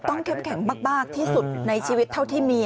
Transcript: ยังไงเราก็ต้องไปต่อยังไงเราก็ต้องไปต่อยังไงเราก็ไม่ตาย